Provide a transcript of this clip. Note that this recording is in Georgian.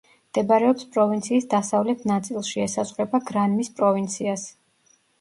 მდებარეობს პროვინციის დასავლეთ ნაწილში, ესაზღვრება გრანმის პროვინციას.